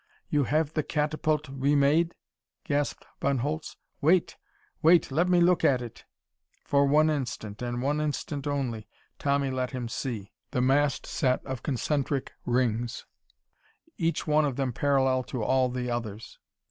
"You have the catapult remade?" gasped Von Holtz. "Wait! Wait! Let me look at it!" For one instant, and one instant only, Tommy let him see. The massed set of concentric rings, each one of them parallel to all the others.